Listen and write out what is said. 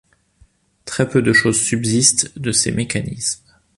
Très peu de choses subsistent de ses mécanismes.